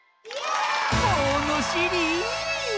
ものしり！